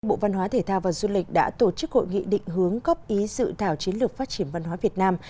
bộ văn hóa thể thao và du lịch đã tổ chức hội nghị định hướng góp ý dự thảo chiến lược phát triển văn hóa việt nam